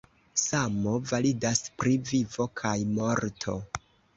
Samo validas pri vivo kaj morto.